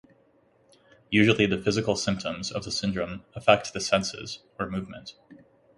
Usually the physical symptoms of the syndrome affect the senses or movement.